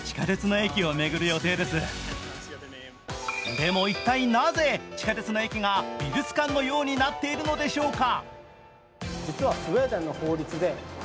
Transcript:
でも一体なぜ地下鉄の駅が美術館のようになっているのでしょうか。